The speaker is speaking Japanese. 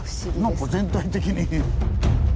なんか全体的に。